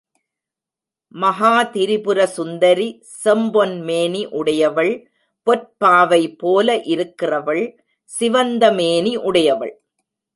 மகாதிரிபுர சுந்தரி செம்பொன் மேனி உடையவள் பொற்பாவை போல இருக்கிறவள் சிவந்த மேனி உடையவள்.